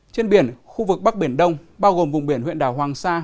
trên biển khu vực bắc biển đông bao gồm vùng biển huyện đảo hoàng sa